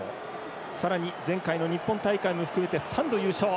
さらに前回の日本大会も含めて３度優勝。